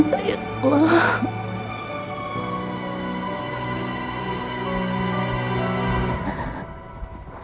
amu diam buang